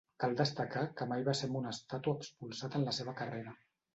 Cal destacar que mai va ser amonestat o expulsat en la seva carrera.